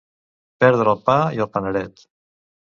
Perdre el pa i el paneret.